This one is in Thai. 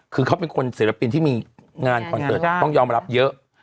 คือเขาเป็นคนศิลปินที่มีงานคอนเสิร์ตต้องยอมรับเยอะ